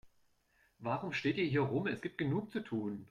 Warum steht ihr hier herum, es gibt genug zu tun.